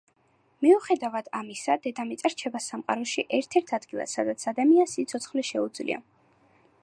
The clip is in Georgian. მიუხედავად ამისა, დედამიწა რჩება სამყაროში ერთადერთ ადგილად, სადაც ადამიანს სიცოცხლე შეუძლია.